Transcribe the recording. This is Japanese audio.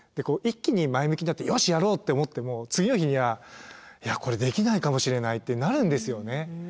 一気に前向きになって「よしやろう！」って思っても次の日には「いやこれできないかもしれない」ってなるんですよね。